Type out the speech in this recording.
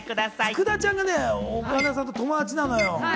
福田ちゃんが岡田さんと友達なのよ。